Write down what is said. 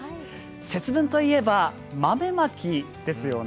節分といえば豆まきですよね。